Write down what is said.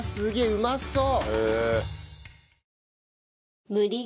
うまそう！